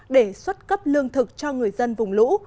để xuất cấp lương thực cho người dân vùng lũ